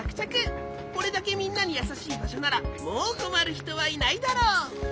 これだけみんなにやさしいばしょならもうこまるひとはいないだろう。